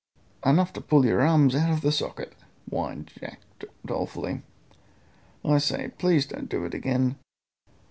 "Enough to pull your arms out of the socket," whined Jack dolefully. "I say, please don't do it again.